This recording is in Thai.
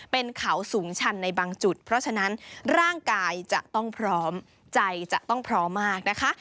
เป็นเขาสูงชันในบางจุดเพราะฉะนั้นร่างกายจะต้องพร้อมใจจะต้องพร้อมมากนะคะ